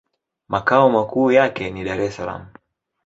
Makao makuu yake ni Dar-es-Salaam.